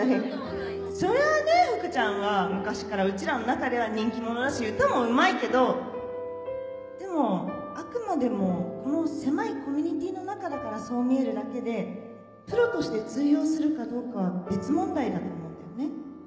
そりゃあね福ちゃんは昔からうちらの中では人気者だし歌もうまいけどでもあくまでもこの狭いコミュニティーの中だからそう見えるだけでプロとして通用するかどうかは別問題だと思うんだよね。